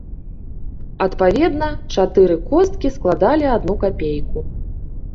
Адпаведна, чатыры косткі складалі адну капейку.